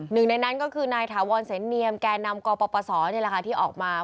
หนึ่งในนั้นก็คือนายถาวรเสนเนียมแก่นำกปศที่ออกมา